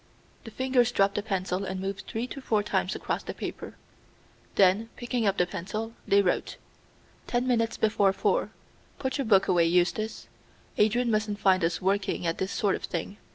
The fingers dropped the pencil and moved three or four times across the paper. Then, picking up the pencil, they wrote: "Ten minutes before four. Put your book away, Eustace. Adrian mustn't find us working at this sort of thing.